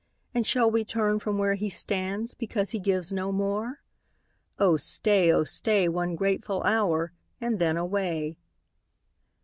And shall we turn from where he stands, Because he gives no more? Oh stay, oh stay, One grateful hotir, and then away.